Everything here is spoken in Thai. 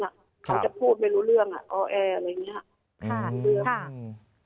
เขาจะพูดไม่รู้เรื่องอ่ะออแอร์อะไรอย่างเงี้ยค่ะ